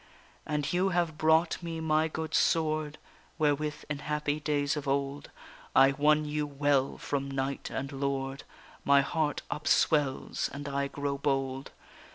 And you have brought me my good sword, Wherewith in happy days of old I won you well from knight and lord; My heart upswells and I grow bold.